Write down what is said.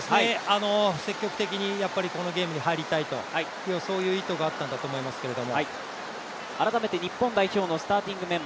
積極的にこのゲームに入りたいという意図があったんだと思いますけど。